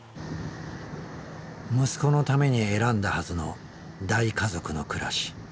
息子のために選んだはずの大家族の暮らし。